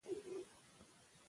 کرکټ د بازي ترڅنګ اخلاق هم روزي.